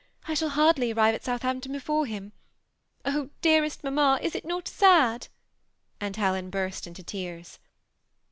I shall hardly arrive at Southampton before him. Oh, dearest mamma, is it not sad ?" and Helen burst into tears.